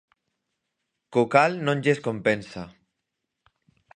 Co cal non lles compensa.